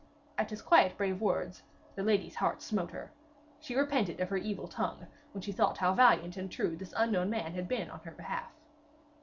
At his quiet brave words the lady's heart smote her. She repented of her evil tongue, when she thought how valiant and true this unknown man had been on her behalf.